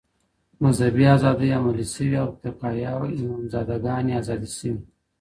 مذهبي ازادۍ عملي شوې او تکایا او امامزاده ګانې ازادې شوې.